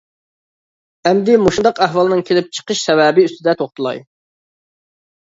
ئەمدى مۇشۇنداق ئەھۋالنىڭ كېلىپ چىقىش سەۋەبى ئۈستىدە توختىلاي.